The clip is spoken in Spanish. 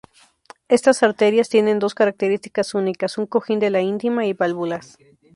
Estas arterias tienen dos características únicas: un cojín de la íntima y válvulas.